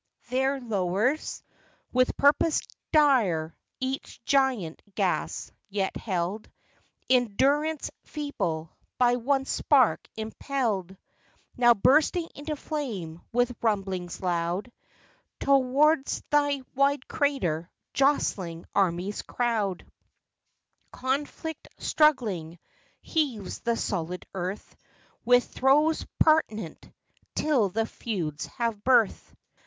There lowers, With purpose dire, each giant Gas, yet held In durance feeble; by one spark impelled Now bursting into flame, with rumblings loud, Tow'rds thy wide crater jostling armies crowd, Conflict struggling. Heaves the solid earth With throes parturient, till the feuds have birth.